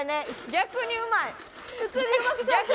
逆にうまいそれ。